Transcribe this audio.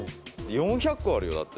４００個あるよだって」